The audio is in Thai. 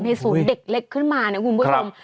ศูนย์เด็กเล็กขึ้นมานะคุณผู้ชม